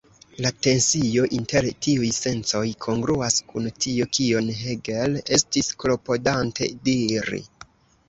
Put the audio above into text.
La tensio inter tiuj sencoj kongruas kun tio kion Hegel estis klopodante diri.